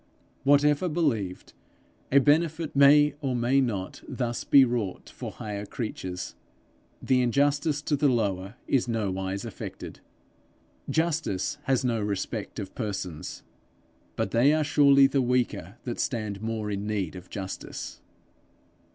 Whatever believed a benefit may or may not thus be wrought for higher creatures, the injustice to the lower is nowise affected. Justice has no respect of persons, but they are surely the weaker that stand more in need of justice!